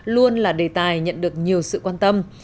luôn là đề tài nhận được nhiều sự quan tâm